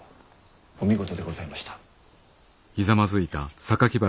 お見事でございました。